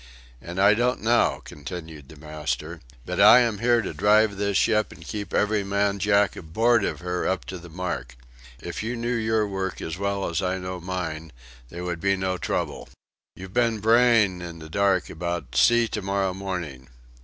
"And I don't now," continued the master; "but I am here to drive this ship and keep every man jack aboard of her up to the mark. If you knew your work as well as I do mine, there would be no trouble. You've been braying in the dark about 'See to morrow morning!'